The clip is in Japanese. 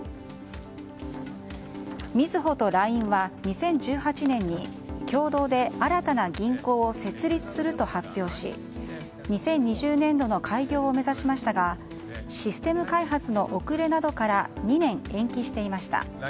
みずほとＬＩＮＥは２０１８年に共同で新たな銀行を設立すると発表し２０２０年度の開業を目指しましたがシステム開発の遅れなどから２年延期していました。